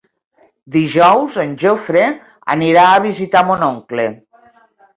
Dijous en Jofre anirà a visitar mon oncle.